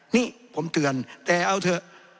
นี่ผมเตือนแต่เอาเถอะ